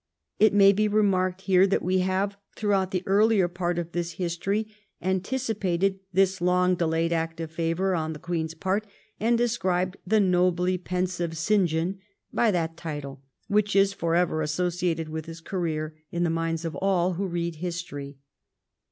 It may be remarked here that we have, throughout the earlier part of this history, anticipated this long de layed act of favor on the Queen's part, and described the "nobly pensive St. John*' by that title which is forever associated with his career in the minds of all who read history.